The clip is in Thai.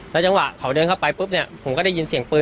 จังหวะเขาเดินเข้าไปปุ๊บเนี่ยผมก็ได้ยินเสียงปืน